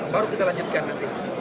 baru kita lanjutkan nanti